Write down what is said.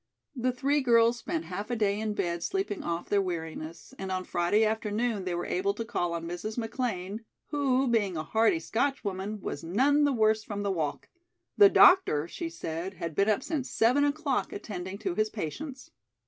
The three girls spent half a day in bed sleeping off their weariness, and on Friday afternoon they were able to call on Mrs. McLean, who, being a hardy Scotchwoman, was none the worse from the walk. The doctor, she said, had been up since seven o'clock attending to his patients.